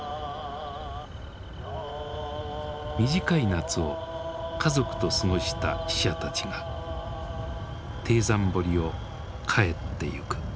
短い夏を家族と過ごした死者たちが貞山堀を帰っていく。